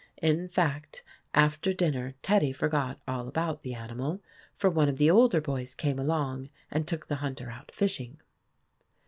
In fact, after dinner Teddy forgot all about the animal, for one of the older boys came along and took the hunter out fishing.